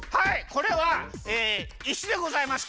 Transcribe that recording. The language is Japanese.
これはえいしでございます。